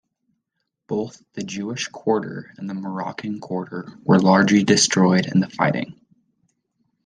Both the Jewish quarter and the Moroccan quarter were largely destroyed in the fighting.